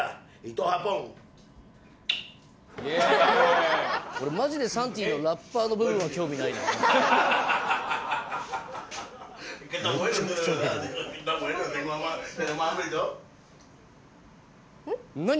俺マジでサンティのラッパーの部分は興味ない何